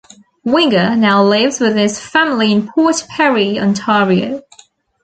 Winger now lives with his family in Port Perry, Ontario.